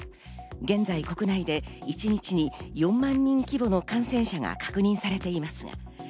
現在、国内で一日に４万人規模の感染者が確認されています。